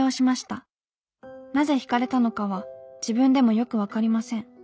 なぜひかれたのかは自分でもよく分かりません。